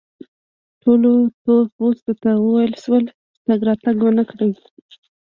ټولو تور پوستو ته وویل شول چې تګ راتګ و نه کړي.